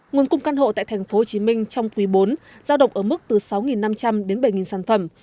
nguồn cung căn hộ tại thành phố hồ chí minh trong quý bốn giao động ở mức từ sáu năm trăm linh đến bảy sản phẩm